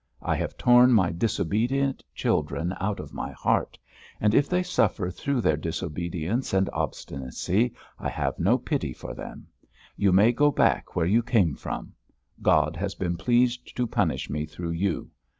I have torn my disobedient children out of my heart, and if they suffer through their disobedience and obstinacy I have no pity for them. You may go back where you came from! God has been pleased to punish me through you.